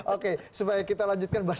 oke supaya kita lanjutkan